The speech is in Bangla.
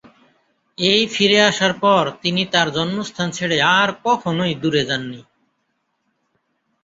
এই ফিরে আসার পর তিনি তার জন্মস্থান ছেড়ে আর কখনই দূরে যাননি।